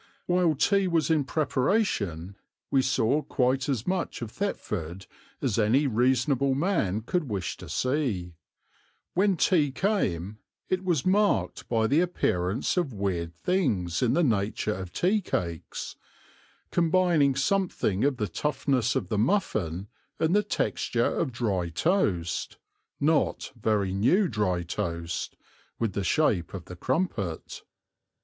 While tea was in preparation we saw quite as much of Thetford as any reasonable man could wish to see; when tea came it was marked by the appearance of weird things in the nature of tea cakes, combining something of the toughness of the muffin and the texture of dry toast, not very new dry toast, with the shape of the crumpet.